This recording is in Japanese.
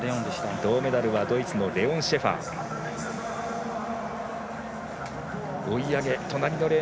銅メダルはドイツのレオン・シェファー。